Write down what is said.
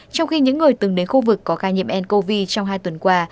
trong khi những người từng đến khu vực có ca nhiễm ncov trong hai tuần qua